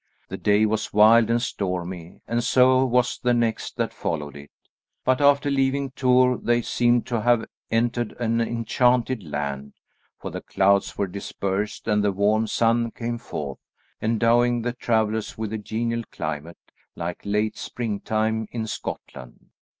The day was wild and stormy, and so was the next that followed it; but after leaving Tours they seemed to have entered an enchanted land, for the clouds were dispersed and the warm sun came forth, endowing the travellers with a genial climate like late springtime in Scotland.